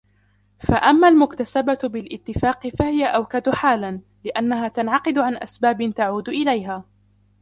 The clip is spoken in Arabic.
فَأَمَّا الْمُكْتَسَبَةُ بِالِاتِّفَاقِ فَهِيَ أَوْكَدُ حَالًا ؛ لِأَنَّهَا تَنْعَقِدُ عَنْ أَسْبَابٍ تَعُودُ إلَيْهَا